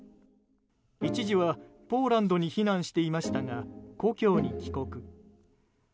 一時はポーランドに避難していましたが故郷に帰国。